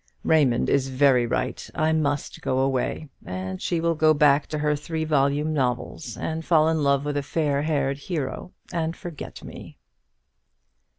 Raymond is very right. I must go away; and she will go back to her three volume novels, and fall in love with a fair haired hero, and forget me."